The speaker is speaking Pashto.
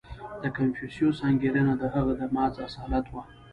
• د کنفوسیوس انګېرنه د هغه د محض اصالت وه.